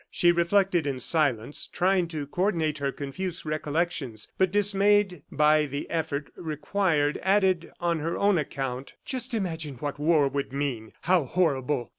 She reflected in silence, trying to co ordinate her confused recollections, but dismayed by the effort required, added on her own account. "Just imagine what war would mean how horrible!